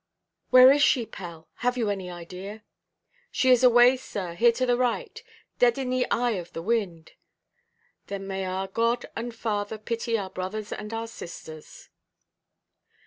"Where is she, Pell? Have you any idea?" "She is away, sir, here to the right: dead in the eye of the wind." "Then may our God and Father pity our brothers and our sisters!"